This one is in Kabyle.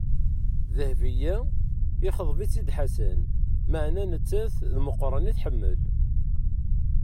Dehbiya ixḍeb-itt Ḥasan, maɛna nettat d Meqran i tḥemmel.